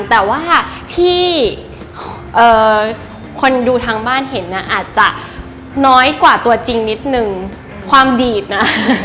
แต่ว่าที่คนดูทางบ้านเห็นน่ะอาจจะน้อยกว่าตัวจริงนิดนึงความดีดนะ